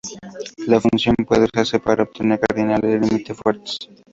La función ב puede usarse para obtener cardinales límite fuertes.